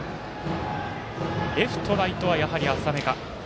レフト、ライトはやはり浅めか。